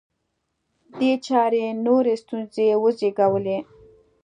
دې چارې نورې ستونزې وزېږولې